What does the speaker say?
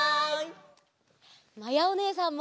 まやおねえさんも！